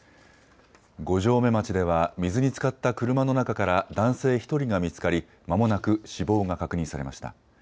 五城目町では水につかった車の中から男性１人が見つかりまもなく死亡が確認されました。